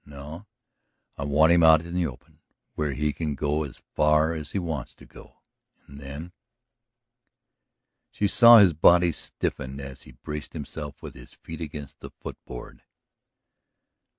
No; I want him out in the open, where he can go as far as he wants to go. And then ..." She saw how his body stiffened as he braced himself with his feet against the foot board.